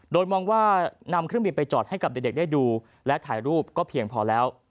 โดยมองว่านำเครื่องบินไปจอดให้กับเด็กได้ดูและถ่ายรูปก็เพียงพอแล้ว